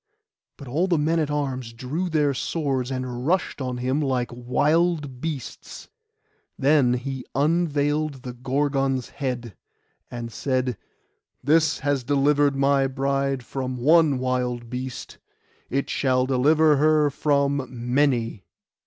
But all the men at arms drew their swords, and rushed on him like wild beasts. Then he unveiled the Gorgon's head, and said, 'This has delivered my bride from one wild beast: it shall deliver her from many.